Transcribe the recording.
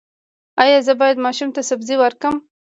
ایا زه باید ماشوم ته سبزي ورکړم؟